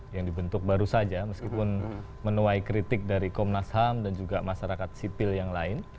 yang dibentuk baru saja meskipun menuai kritik dari komnas ham dan juga masyarakat sipil yang lain